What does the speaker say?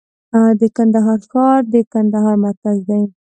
د کندهار ښار د کندهار مرکز دی